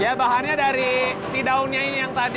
ya bahannya dari si daunnya ini yang tadi